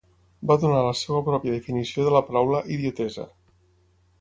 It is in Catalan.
Va donar la seva pròpia definició de la paraula idiotesa.